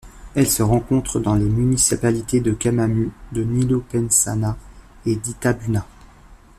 Elle se rencontre dans les municipalités de Camamu, de Nilo Peçanha et d'Itabuna.